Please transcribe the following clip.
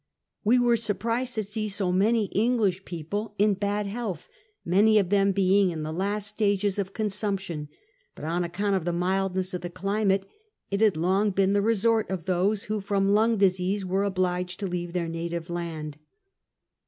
We were surprised to see so many Eng lish people in bad health, many of them being in the last stages of consumption, but on account of the mildness of the climate it had long been the resort of those who, from lung diseases, were obliged to leave their native land.